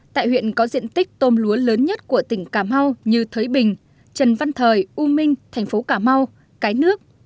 tại huyện có diện tích tôm lúa lớn nhất của tỉnh cà mau như thới bình trần văn thời u minh thành phố cà mau cái nước